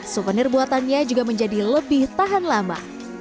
souvenir buatannya juga menjadi lebih tahan lama